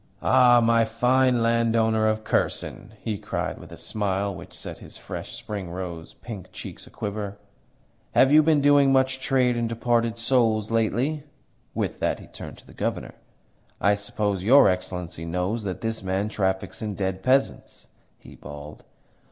"Ah, my fine landowner of Kherson!" he cried with a smile which set his fresh, spring rose pink cheeks a quiver. "Have you been doing much trade in departed souls lately?" With that he turned to the Governor. "I suppose your Excellency knows that this man traffics in dead peasants?" he bawled.